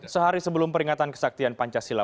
sehari sebelum peringatan kesaktian pancasila